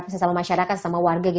sesama masyarakat sesama warga